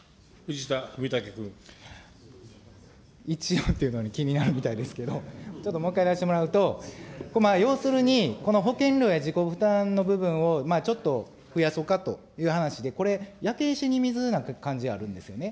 一応というのが、気になるみたいですけど、ちょっともう一回やらせてもらうと、要するに、この保険料や自己負担の部分を、ちょっと増やそうかという話で、これ、焼け石に水な感じあるんですよね。